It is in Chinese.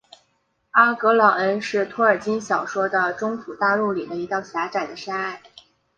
阿格朗恩是托尔金小说的中土大陆里的一道狭窄的山隘。